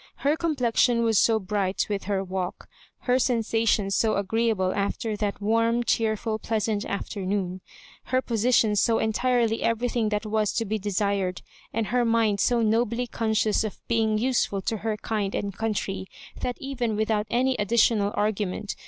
Her complexion was so bright with her walk, her sensations so agreeable a^r that warm, cheerful, pleasant afternoon, her posi tion so entirely everything that was to be desired, and her mind so nobly conscious of being use ful to her kind and country, that even without any additional argument.